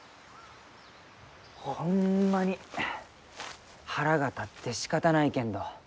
ホンマに腹が立ってしかたないけんど。